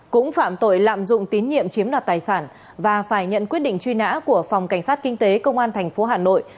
cũng phạm tội lạm dụng tín nhiệm chiếm đoạt tài sản và phải nhận quyết định truy nã của phòng cảnh sát kinh tế công an tp hà nội